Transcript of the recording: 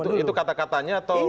itu kata katanya atau